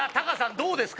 どうですか？